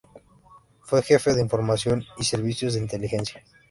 Fue jefe de información y servicios de inteligencia.